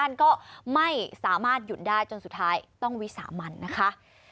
ท่านก็ไม่สามารถหยุดได้จนสุดท้ายต้องวิสามันนะคะ